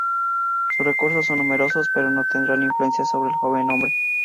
Sus recursos son numerosos, pero no tendrán influencia sobre el joven hombre.